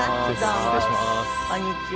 こんにちは。